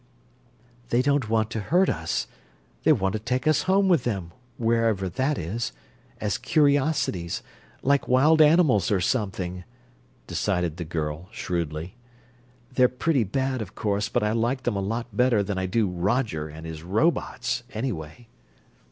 "They don't want to hurt us. They want to take us home with them, wherever that is, as curiosities, like wild animals or something," decided the girl, shrewdly. "They're pretty bad, of course, but I like them a lot better than I do Roger and his robots, anyway."